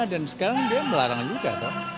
dan sekarang dia melarang juga